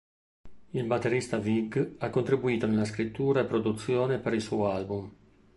Il batterista Vig ha contribuito nella scrittura e produzione per il suo album.